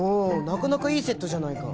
なかなかいいセットじゃないか。